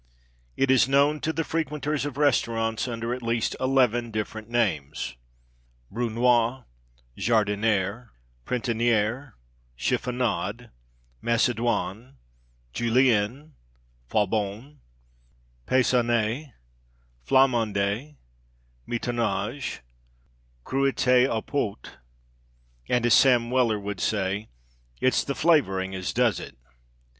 It is known to the frequenters of restaurants under at least eleven different names Brunoise, Jardinière, Printanier, Chiffonade, Macédoine, Julienne, Faubonne, Paysanne, Flamande, Mitonnage, Croûte au Pot, and, as Sam Weller would say, "It's the flavouring as does it."